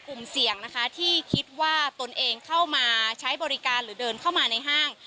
กลุ่มเสี่ยงนะคะที่คิดว่าตนเองเข้ามาใช้บริการหรือเดินเข้ามาในห้าง